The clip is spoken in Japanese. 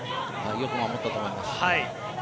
よく守ったと思います。